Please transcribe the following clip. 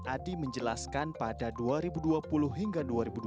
adi menjelaskan pada dua ribu dua puluh hingga dua ribu dua puluh